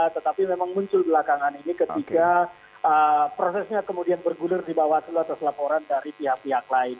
tetapi memang muncul belakangan ini ketika prosesnya kemudian bergulir di bawaslu atas laporan dari pihak pihak lain